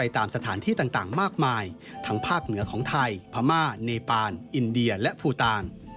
ทั้งภาคเหนือของไทยพม่าเนปานอินเดียและภูตาล